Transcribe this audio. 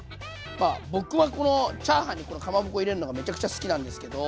僕はこのチャーハンにかまぼこを入れるのがめちゃくちゃ好きなんですけど。